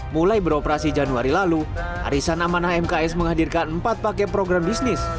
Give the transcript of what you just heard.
mulai beroperasi januari lalu arisan amanah mks menghadirkan empat paket program bisnis